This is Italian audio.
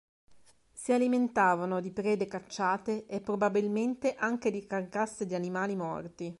Si alimentavano di prede cacciate e probabilmente anche di carcasse di animali morti.